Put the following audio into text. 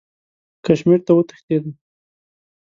کشمیر ته وتښتېدی.